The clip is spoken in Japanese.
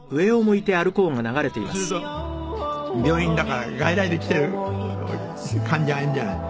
そうすると病院だから外来で来ている患者がいるじゃない。